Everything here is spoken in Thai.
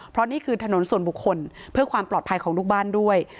เพราะนี่คือถนนส่วนบุคคลเพื่อความปลอดภัยของลูกบ้านด้วย